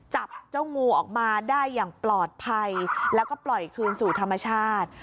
จับเจ้างูออกมาได้อย่างปลอดภัยแล้วก็ปล่อยคืนสู่ธรรมชาติ